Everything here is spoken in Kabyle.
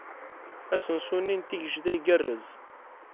Asensu-nni n Tigejda igarrez.